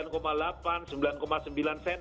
kepala bayi itu ukurannya sembilan delapan cm